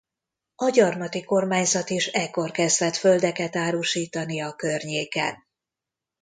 A gyarmati kormányzat is ekkor kezdett földeket árusítani a környéken.